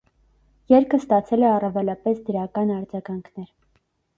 Երգը ստացել է առավելապես դրական արձագանքներ։